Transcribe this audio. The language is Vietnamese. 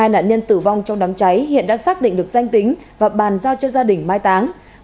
hai nạn nhân tử vong trong đám cháy hiện đã xác định được danh tính và bàn giao cho gia đình mai táng